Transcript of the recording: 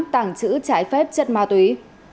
tàng trữ trái phép chất ma túy